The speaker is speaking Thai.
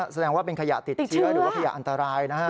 แสดงว่าเป็นขยะติดเชื้อหรือว่าขยะอันตรายนะฮะ